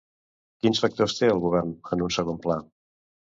Quins factors té el govern en un segon pla?